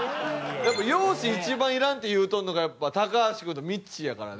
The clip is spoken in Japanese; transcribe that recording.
容姿一番いらんって言うとんのがやっぱ高橋くんとみっちーやからね。